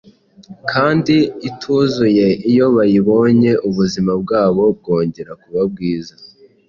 kandi ituzuye, iyo bayibonye ubuzima bwabo bwongera kuba bwiza.